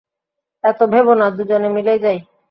এত ভেব না, দুজনে মিলেই যাই।